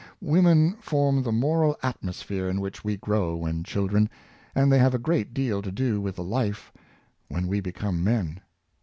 Women form the moral atmosphere in which we grow when children; and the}' have a great deal to do with the life when we become men.